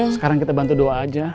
sekarang kita bantu doa aja